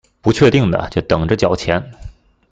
不確定的就等著繳錢